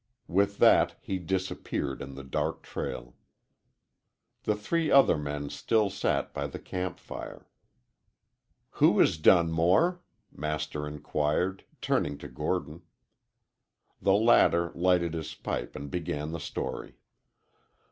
With that he disappeared in the dark trail. The three other men still sat by the camp fire. "Who is Dunmore?" Master inquired, turning to Gordon. The latter lighted his pipe and began the story.